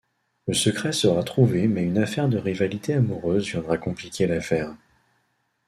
Le secret sera trouvé mais une affaire de rivalité amoureuse viendra compliquer l'affaire.